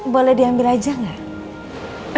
boleh diambil aja gak